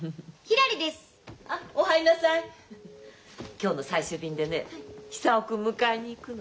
今日の最終便でね久男君迎えに行くの。